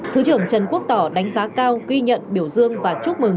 thứ trưởng trần quốc tỏ đánh giá cao ghi nhận biểu dương và chúc mừng